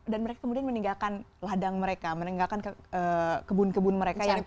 dan mereka kemudian meninggalkan ladang mereka meninggalkan kebun kebun mereka